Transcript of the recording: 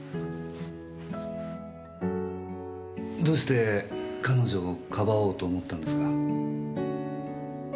どうして彼女をかばおうと思ったんですか？